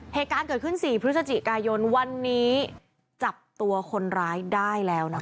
เหตุการณ์เกิดขึ้น๔พฤศจิกายนวันนี้จับตัวคนร้ายได้แล้วนะคะ